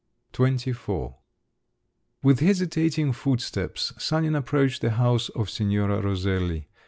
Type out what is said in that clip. XXIV With hesitating footsteps Sanin approached the house of Signora Roselli.